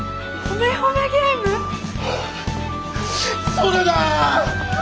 それだ！